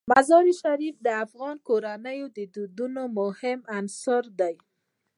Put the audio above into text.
مزارشریف د افغان کورنیو د دودونو مهم عنصر دی.